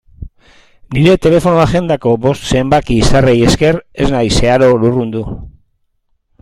Nire telefono-agendako bost zenbaki izarrei esker ez naiz zeharo lurrundu.